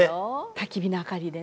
たき火の明かりでね。